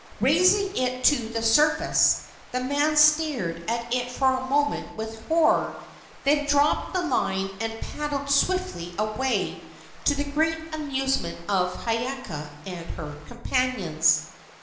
Raising it to the surface, the man stared at it for a moment with horror, then dropped the line and paddled swiftly away, to the great amusement of Hiiaka and her companions.